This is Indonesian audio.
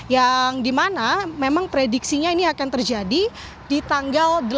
yang dimana memang prediksinya ini akan terjadi di tanggal delapan april dua ribu dua puluh empat